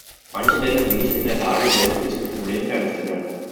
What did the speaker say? Manche Länder sind nicht in der Lage, selbst mit diesen Problemen fertig zu werden.